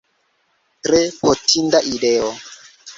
Tre hontinda ideo!